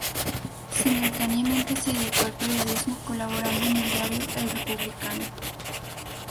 Simultáneamente se dedicó al periodismo, colaborando en el diario "El Republicano".